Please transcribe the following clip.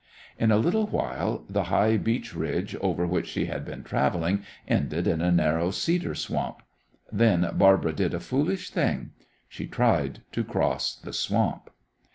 In a little while the high beech ridge over which she had been travelling ended in a narrow cedar swamp. Then Barbara did a foolish thing; she tried to cross the swamp.